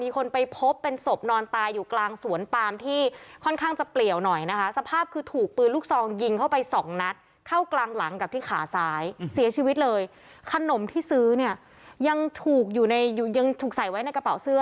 ขนมที่ซื้อเนี่ยยังถูกอยู่ในยังถูกใส่ไว้ในกระเป๋าเสื้อ